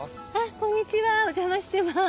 こんにちはお邪魔してます。